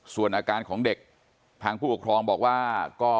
ส่วนอาการของเด็กทางผู้ปกครองบอกว่า